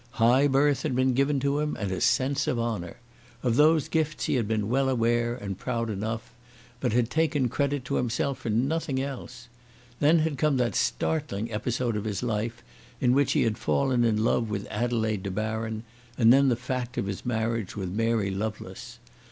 High birth had been given to him, and a sense of honour. Of those gifts he had been well aware and proud enough, but had taken credit to himself for nothing else. Then had come that startling episode of his life in which he had fallen in love with Adelaide De Baron, and then the fact of his marriage with Mary Lovelace.